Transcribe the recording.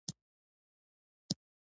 یوازې درې څلور سوه به یې فوکلوري ارزښت ولري.